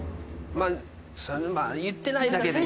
まあその言ってないだけで。